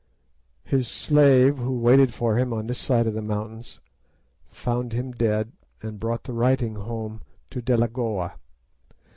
His slave, who waited for him on this side of the mountains, found him dead, and brought the writing home to Delagoa.